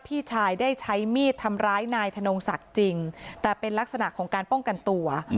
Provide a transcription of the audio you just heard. พี่ชายได้ใช้มีดทำร้ายนายธนงศักดิ์จริงแต่เป็นลักษณะของการป้องกันตัว